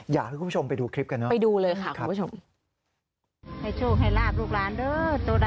อยากให้คุณผู้ชมไปดูคลิปกันนะครับคุณผู้ชมไปดูเลยค่ะ